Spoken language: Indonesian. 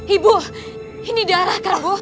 ibu ini darah karibu